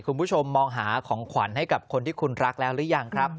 คุณผู้ชมมองหาของขวัญให้กับคนที่คุณรักแล้วหรือยังครับ